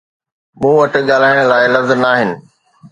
مون وٽ ڳالهائڻ لاءِ لفظ ناهن